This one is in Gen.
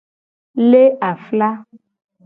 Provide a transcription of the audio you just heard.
Le afla.